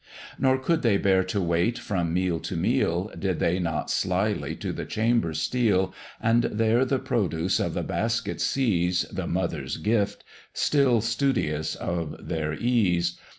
Nor could they bear to wait from meal to meal, Did they not slily to the chamber steal, And there the produce of the basket seize, The mother's gift! still studious of their ease.